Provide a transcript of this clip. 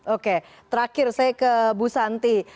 oke terakhir saya ke bu santi